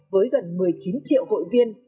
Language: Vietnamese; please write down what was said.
với gần một mươi chín triệu hội viên